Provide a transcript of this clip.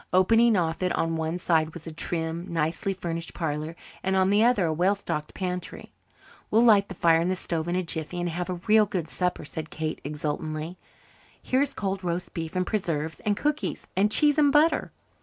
Opening off it on one side was a trim, nicely furnished parlour and on the other a well stocked pantry. "We'll light the fire in the stove in a jiffy and have a real good supper," said Kate exultantly. "Here's cold roast beef and preserves and cookies and cheese and butter."